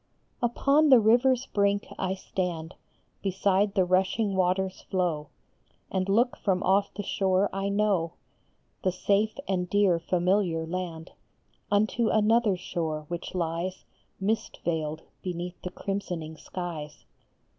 PON the river s brink I stand Beside the rushing water s flow, And look from off the shore I know, The safe and dear familiar land, Unto another shore, which lies Mist veiled beneath the crimsoning skies.